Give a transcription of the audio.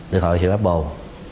điện thoại hiệu apple